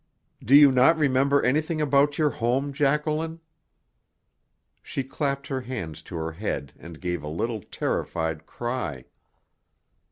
Do you not remember anything about your home, Jacqueline?" She clapped her hands to her head and gave a little terrified cry.